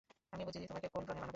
আমি বুঝেছি তোমাকে কোন রঙে মানাবে।